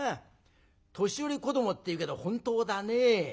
年寄り子どもって言うけど本当だね。